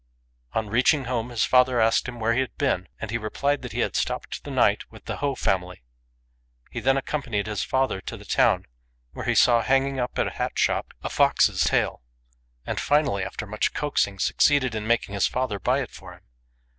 On reaching home his father asked him where he had been, and he replied that he had stopped the night with the Ho family. He then accompanied his father to the town, where he saw hanging up at a hat shop a fox's tail, and finally, after much coaxing, succeeded in mak ing his father buy it for him.